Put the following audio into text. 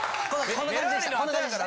こんな感じでした。